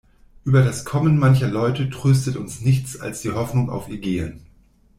Über das Kommen mancher Leute tröstet uns nichts als die Hoffnung auf ihr Gehen.